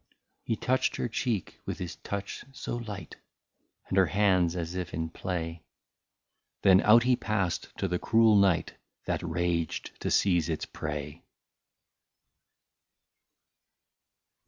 He touched her cheek with his touch so light. And her hands as if in play ; Then out he passed to the cruel night, That raged to seize its prey.